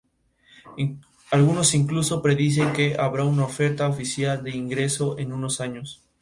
Algunos incluso predicen que habrá una oferta oficial de ingreso en unos años.